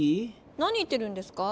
何言ってるんですか？